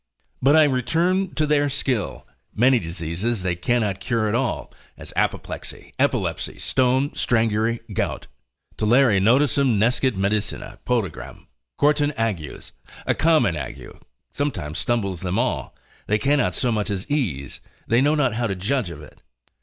But I return to their skill; many diseases they cannot cure at all, as apoplexy, epilepsy, stone, strangury, gout, Tollere nodosam nescit medicina Podagram; quartan agues, a common ague sometimes stumbles them all, they cannot so much as ease, they know not how to judge of it.